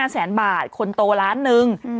แสนบาทคนโตล้านหนึ่ง